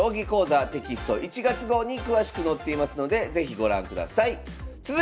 １月号に詳しく載っていますので是非ご覧ください。